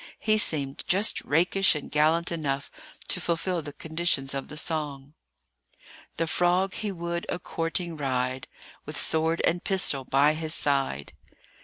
He seemed just rakish and gallant enough to fulfil the conditions of the song:— "The frog he would a courting ride, With sword and pistol by his side."